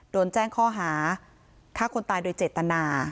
โดนแจ้งข้อหาฆ่าคนตายโดยเจตนา